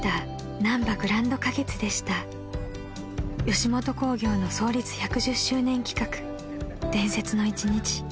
［吉本興業の創立１１０周年企画『伝説の一日』］